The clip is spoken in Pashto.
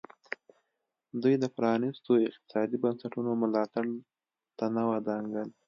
دوی د پرانیستو اقتصادي بنسټونو ملاتړ ته نه ودانګل.